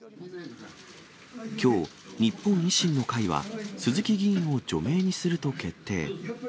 きょう、日本維新の会は、鈴木議員を除名にすると決定。